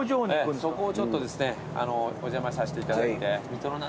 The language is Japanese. そこをちょっとお邪魔させていただいて。